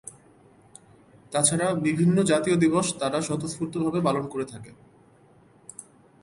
তাছাড়া, বিভিন্ন জাতীয় দিবস তারা স্বতঃস্ফূর্তভাবে পালন করে থাকে।